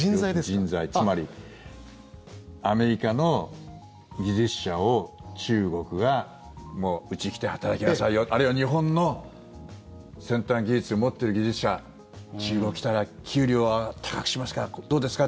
つまりアメリカの技術者を中国が、うち来て働きなさいよあるいは日本の先端技術を持っている技術者中国に来たら給料を高くしますからどうですか？